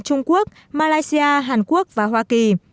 trung quốc malaysia hàn quốc và hoa kỳ